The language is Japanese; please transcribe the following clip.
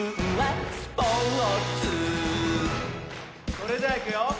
それじゃいくよ